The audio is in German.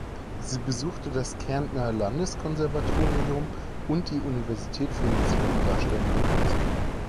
Sie besuchte das Kärntner Landeskonservatorium und die Universität für Musik und darstellende Kunst.